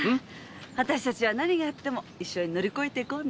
私たちは何があっても一緒に乗り越えていこうね。